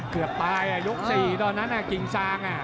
เกือบตายอ่ะยก๔ตอนนั้นอ่ะกิ่งซางอ่ะ